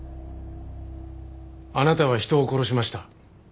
あなたは人を殺しました。